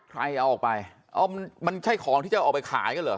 ใครเอาออกไปเอามันมันใช่ของที่จะออกไปขายกันเหรอ